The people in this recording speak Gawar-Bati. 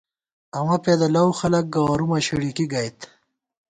امہ پېدہ لَؤ خلَک ، گوَرُومہ شِڑِکی گئیت